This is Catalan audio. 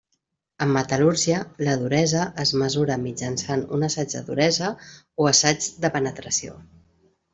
En metal·lúrgia, la duresa es mesura mitjançant un assaig de duresa o assaig de penetració.